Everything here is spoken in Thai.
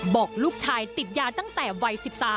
บอกลูกชายติดยาตั้งแต่วัย๑๓